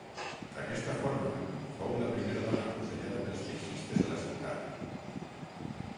D'aquesta forma fou la primera dona afusellada pels feixistes a la ciutat.